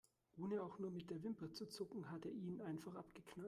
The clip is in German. Ohne auch nur mit der Wimper zu zucken, hat er ihn einfach abgeknallt.